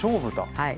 はい。